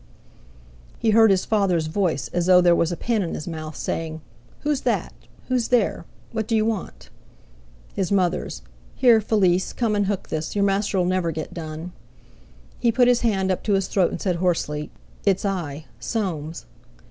He heard his father's voice, as though there were a pin in his mouth, saying: "Who's that? Who's there? What d'you want?" His mother's: "Here, Félice, come and hook this; your master'll never get done." He put his hand up to his throat, and said hoarsely: "It's I—Soames!"